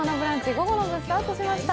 午後の部、スタートしました。